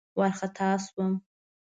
وارخطا شوم.